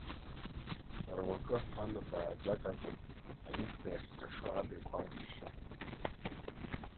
Руакы ҳәан абааӡак акәын, аихда иахҟьашо, абаҩқәа алхьхьа.